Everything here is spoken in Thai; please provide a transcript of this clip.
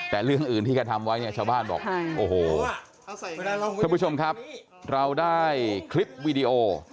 แต่เรื่องอื่นที่เขาทำไว้ชาวบ้านบอกโอ้โห